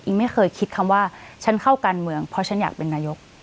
ไม่เคยคิดคำว่าฉันเข้าการเมืองเพราะฉันอยากเป็นนายก